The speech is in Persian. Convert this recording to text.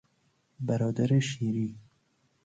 برادر شیری